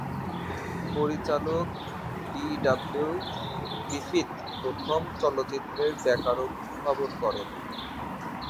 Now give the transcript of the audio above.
পরিচালক D W Griffith প্রথম চলচ্চিত্রের ব্যাকরণ উদ্ভাবন করেন।